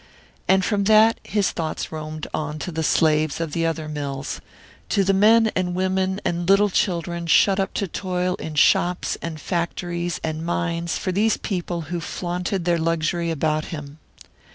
And from that his thoughts roamed on to the slaves of other mills, to the men and women and little children shut up to toil in shops and factories and mines for these people who flaunted their luxury about him.